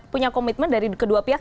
punya komitmen dari kedua pihak